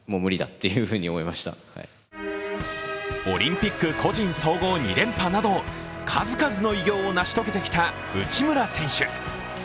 オリンピック個人総合２連覇など数々の偉業を成し遂げてきた内村選手。